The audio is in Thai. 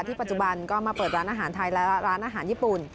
ปัจจุบันก็มาเปิดร้านอาหารไทยและร้านอาหารญี่ปุ่น